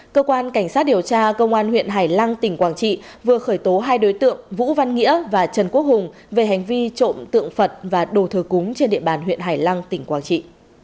cơ quan cảnh sát điều tra công an huyện hải lăng tỉnh quảng trị vừa khởi tố hai đối tượng vũ văn nghĩa và trần quốc hùng về hành vi trộm tượng phật và đồ thờ cúng trên địa bàn huyện hải lăng tỉnh quảng trị